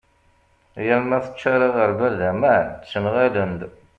yal ma teččar aγerbal d aman ttenγalen-d